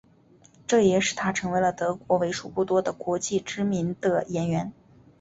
这也使他成为了德国为数不多的国际知名的演员。